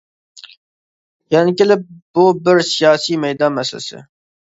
يەنە كېلىپ بۇ بىر سىياسىي مەيدان مەسىلىسى.